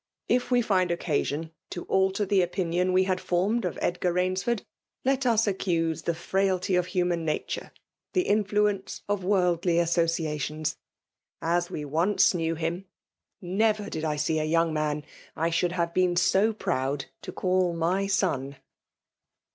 '' If we find occasion to alter the opinion we had formed of Edgar Bains ' fiord, let us accuse the frailty of human nature, the infiuence of worldly associations. As we ones knew him, never did I see a young man I should have been so proud to call my son.